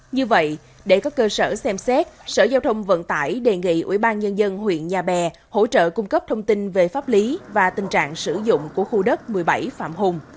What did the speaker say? như vậy để các cơ sở xem xét sở giao thông vận tải đề nghị ủy ban nhân dân huyện nhà bè hỗ trợ cung cấp thông tin về pháp lý và tình trạng sử dụng của khu đất một mươi bảy phạm hùng